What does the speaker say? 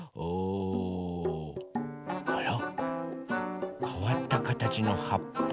あら？かわったかたちのはっぱ。